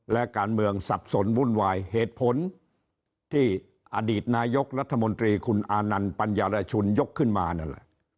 และการเมืองสับสนวุ่นวายเหตุผลที่อดีตนายกรัฐมนตรีคุณอานันต์ปัญญารชุนยกขึ้นมานั่นแหละ